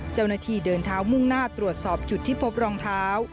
เจ้าหน้าที่เดินเท้ามุ่งหน้าตรวจสอบจุดที่พบรองเท้า